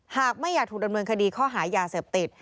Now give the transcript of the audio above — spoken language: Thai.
หากไม่อยากถูกดำเนินคดีข้อหายาเสพติด